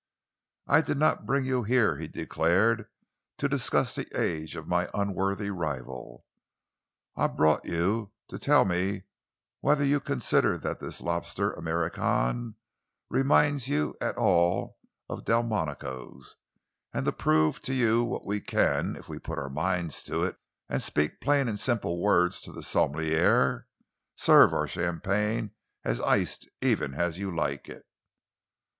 "I did not bring you here," he declared, "to discuss the age of my unworthy rival. I brought you to tell me whether you consider that this Lobster Americaine reminds you at all of Delmonico's, and to prove to you that we can, if we put our minds to it and speak plain and simple words to the sommelier, serve our champagne as iced even as you like it."